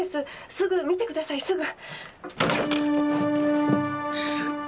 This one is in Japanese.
すぐ見てくださいすぐ。